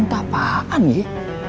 entah apaan ya